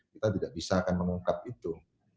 kita tidak bisa akan mengungkap itu